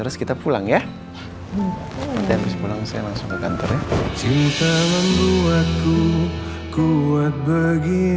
sampai jumpa di video selanjutnya